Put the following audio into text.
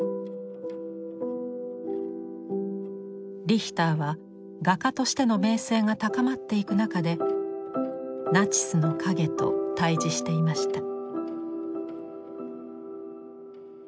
リヒターは画家としての名声が高まっていく中でナチスの影と対じしていました。